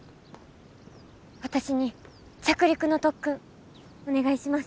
私に着陸の特訓お願いします。